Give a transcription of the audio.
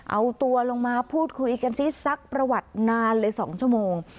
เอาตัวลงมาพูดคุยกันซิซักประวัตินานเลย๒ชั่วโมง